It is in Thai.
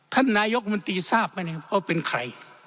ท่านนายกมันตีทราบไหมว่าเป็นใคร